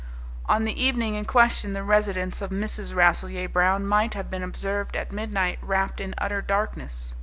On the evening in question the residence of Mrs. Rasselyer Brown might have been observed at midnight wrapped in utter darkness.